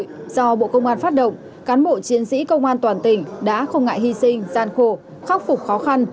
do bộ công an phát động cán bộ chiến sĩ công an toàn tỉnh đã không ngại hy sinh gian khổ khắc phục khó khăn